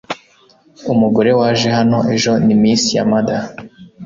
Umugore waje hano ejo ni Miss Yamada